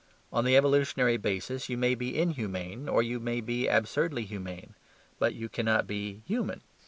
On the evolutionary basis you may be inhumane, or you may be absurdly humane; but you cannot be human.